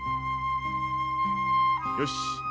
よし。